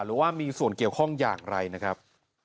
หรือว่ามีส่วนเกี่ยวข้องอย่างไรนะครับ